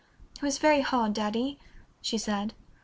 "It was very hard, Daddy," she said.